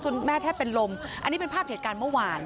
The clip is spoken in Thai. แม่แทบเป็นลมอันนี้เป็นภาพเหตุการณ์เมื่อวาน